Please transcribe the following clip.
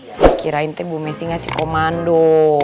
saya kirain tuh bu messi gak si komando